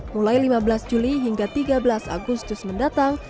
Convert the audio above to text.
mulai lima belas juli hingga tiga belas agustus mendatang